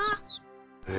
え？